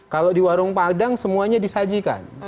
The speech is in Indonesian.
kalau di warung padang semuanya disajikan